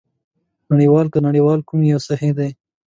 نړۍوال که نړیوال کوم یو صحي دی؟